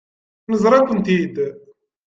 Neẓra-kent-id.